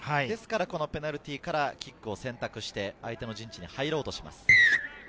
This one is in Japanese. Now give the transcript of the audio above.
ですからペナルティーからキックを選択して相手の陣地に入ろうとします。